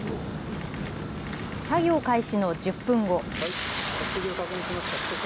作業開始の１０分後。